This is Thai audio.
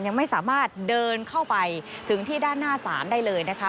ยังไม่สามารถเดินเข้าไปถึงที่ด้านหน้าศาลได้เลยนะคะ